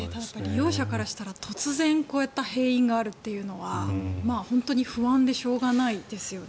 利用者からしたら突然こういった閉院があるというのは不安でしょうがないですよね。